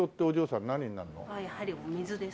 やはりお水ですね。